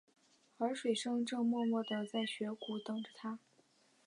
而水笙正默默地在雪谷等着他。